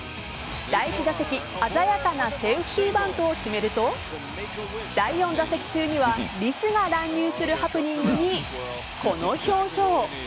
第１打席、鮮やかなセーフティーバントを決めると第４打席中にはリスが乱入するハプニングにこの表情。